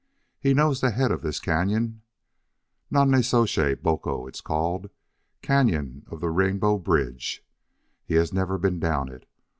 He knows the head of this cañon. Nonnezoshe Boco it's called cañon of the rainbow bridge. He has never been down it.